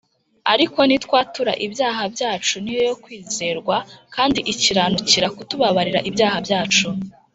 Ariko nitwatura ibyaha byacu, ni yo yo kwizerwa kandi ikiranukira kutubabarira ibyaha byacu